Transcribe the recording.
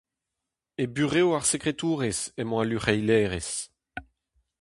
E burev ar sekretourez emañ al luc'heilerez.